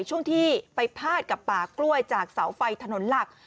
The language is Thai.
ช่วงที่ไปพาดกับป่ากล้วยจากเสาไฟถนนหลัก